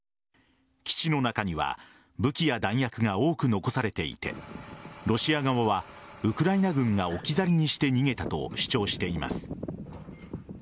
基地の中には武器や弾薬が多く残されていてロシア側はウクライナ軍が置き去りにして逃げたと主張しています。